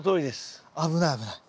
危ない危ない。